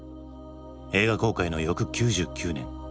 映画公開の翌９９年。